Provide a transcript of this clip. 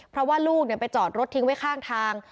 เพราะว่าลูกไปจอดรถทิ้งไว้ข้างทาง